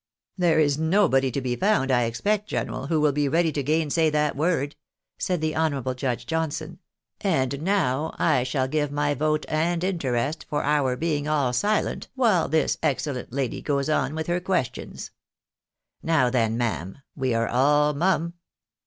" There is nobody to be found, I expect, general, Avho will be ready to gainsay that word," said the honourable Judge Johnson. " And now I shall give my vote and interest for our being all silent while this excellent lady goes on with her questione. Now then, ma'am, we are all mum."